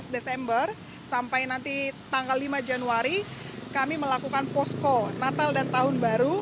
dua belas desember sampai nanti tanggal lima januari kami melakukan posko natal dan tahun baru